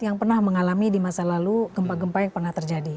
yang pernah mengalami di masa lalu gempa gempa yang pernah terjadi